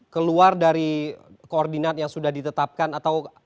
keluar dari koordinat yang sudah ditetapkan atau